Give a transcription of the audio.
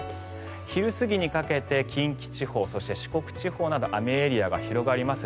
昼過ぎにかけて近畿地方そして、四国地方など雨エリアが広がります。